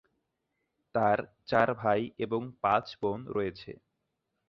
তার চার ভাই এবং পাঁচ বোন রয়েছে।